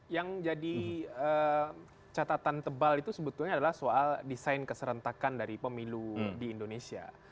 yang jadi catatan tebal itu sebetulnya adalah soal desain keserentakan dari pemilu di indonesia